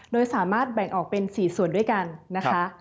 โดยสามารถแบ่งออกเป็น๔ส่วนด้วยกันนะคะ